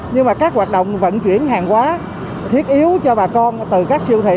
nhưng mà các hoạt động vận chuyển hàng hóa thiết yếu cho bà con từ các siêu thị